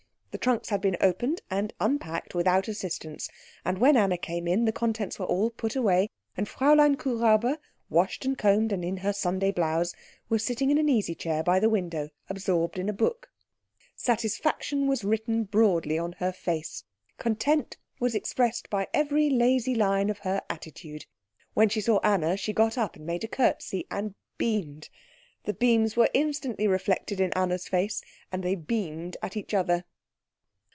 The trunks had been opened and unpacked without assistance; and when Anna came in the contents were all put away and Fräulein Kuhräuber, washed and combed and in her Sunday blouse, was sitting in an easy chair by the window absorbed in a book. Satisfaction was written broadly on her face; content was expressed by every lazy line of her attitude. When she saw Anna, she got up and made a curtsey and beamed. The beams were instantly reflected in Anna's face, and they beamed at each other.